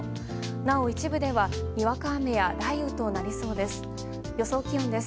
なお、一部ではにわか雨や雷雨となりそうです。